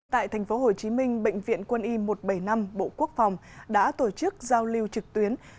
tại thành phố hồ chí minh bệnh viện quân y một trăm bảy mươi năm bộ quốc phòng đã tổ chức giao lưu trực tuyến